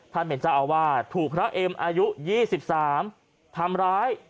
เป็นเจ้าอาวาสถูกพระเอ็มอายุ๒๓ทำร้าย